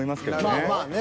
まあまあね